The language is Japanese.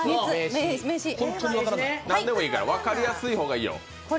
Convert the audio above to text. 何でもいいから分かりやすい方がいいよ。